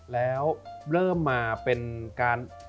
แล้วเริ่มมาเป็นการ